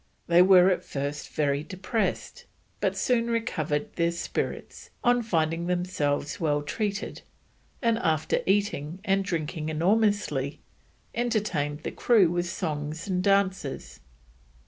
They were at first very depressed, but soon recovered their spirits on finding themselves well treated, and after eating and drinking enormously, entertained the crew with songs and dances.